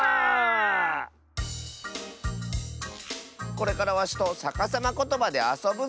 これからわしとさかさまことばであそぶぞよ。